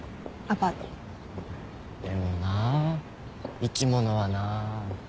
でもな生き物はなぁ。